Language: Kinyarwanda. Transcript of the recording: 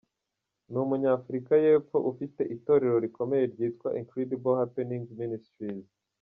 Ni umunyafrika y’Epfo ufite itorero rikomeye ryitwa Incredible Happenings Ministries.